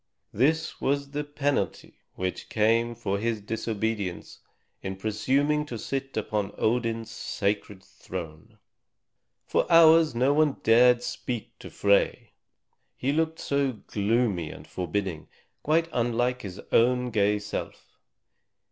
This was the penalty which came for his disobedience in presuming to sit upon Odin's sacred throne. For hours no one dared speak to Frey, he looked so gloomy and forbidding, quite unlike his own gay self.